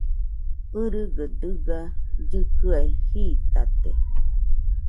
ɨgɨgɨ dɨga llɨkɨaɨ jitate